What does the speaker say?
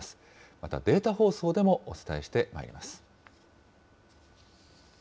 また、データ放送でもお伝えしてまいります。